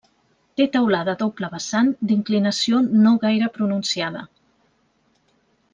Té teulada a doble vessant d'inclinació no gaire pronunciada.